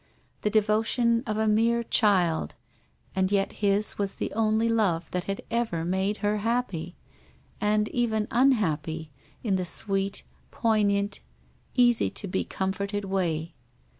The devotion of a mere child, and yet his was the only love that had ever made her happy, and even unhappy in the sweet, poignant, easily to be com forted way